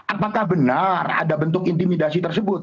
apakah benar ada bentuk intimidasi tersebut